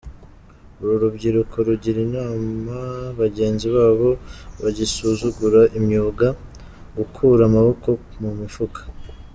Uru rubyiruko rugira inama bagenzi babo bagisuzugura imyuga, gukura amaboko mu mifuka.